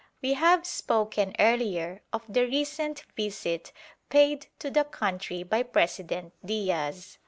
We have spoken earlier of the recent visit paid to the country by President Diaz.